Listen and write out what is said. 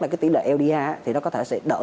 là cái tỷ lệ oda thì nó có thể sẽ đỡ